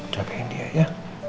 coba pindahin dia ya